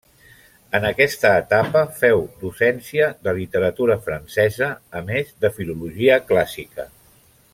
En aquesta etapa féu docència de literatura francesa a més de filologia clàssica.